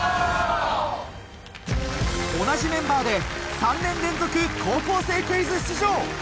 同じメンバーで３年連続『高校生クイズ』出場